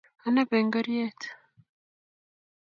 Anape ngoryet